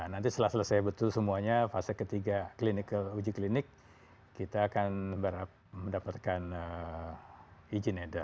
nanti setelah selesai betul semuanya fase ketiga uji klinik kita akan mendapatkan izin edar